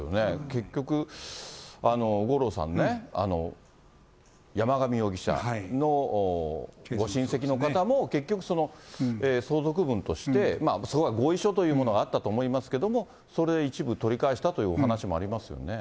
結局、五郎さんね、山上容疑者のご親戚の方も、結局、相続分として、そこは合意書というものがあったと思いますけれども、それを一部取り返したというお話もありますよね。